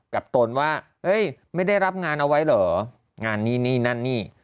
ตนว่าไม่ได้รับงานเอาไว้เหรองานนี้นี่นั่นนี่